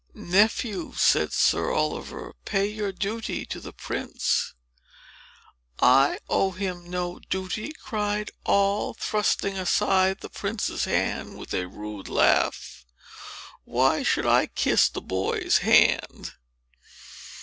"Nephew," said Sir Oliver, "pay your duty to the prince." "I owe him no duty," cried Noll, thrusting aside the prince's hand, with a rude laugh. "Why should I kiss that boy's hand?"